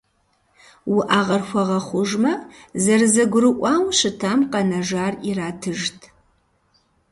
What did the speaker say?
Уӏэгъэр хуэгъэхъужмэ, зэрызэгурыӏуауэ щытам къэнэжар иратыжт.